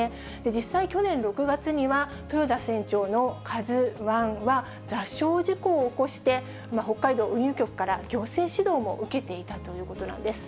実際、去年６月には、豊田船長のカズワンは、座礁事故を起こして、北海道運輸局から行政指導も受けていたということなんです。